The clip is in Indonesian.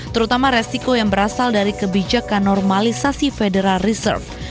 terutama resiko yang berasal dari kebijakan normalisasi federal reserve